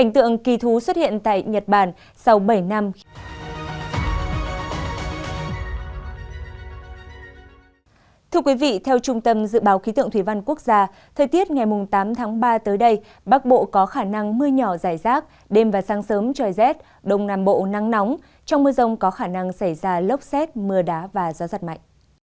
thưa quý vị theo trung tâm dự báo khí tượng thủy văn quốc gia thời tiết ngày tám tháng ba tới đây bắc bộ có khả năng mưa nhỏ dài rác đêm và sáng sớm trời rét đông nam bộ nắng nóng trong mưa rông có khả năng xảy ra lốc xét mưa đá và gió giật mạnh